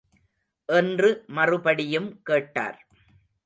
என்று மறுபடியும் கேட்டார்.